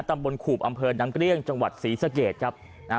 ตำบลขูบอำเภอน้ำเกลี้ยงจังหวัดศรีสะเกดครับนะฮะ